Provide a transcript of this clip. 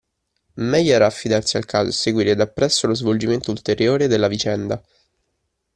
Meglio era affidarsi al caso e seguire dappresso lo svolgimento ulteriore della vicenda.